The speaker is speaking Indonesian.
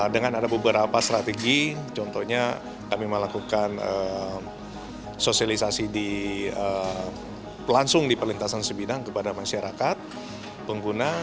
dengan ada beberapa strategi contohnya kami melakukan sosialisasi langsung di perlintasan sebidang kepada masyarakat pengguna